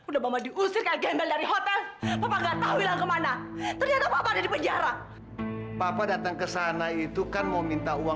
sampai jumpa di video selanjutnya